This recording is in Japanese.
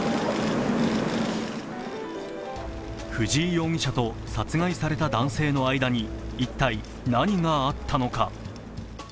藤井容疑者と殺害された男性の間に一体、何があったのか。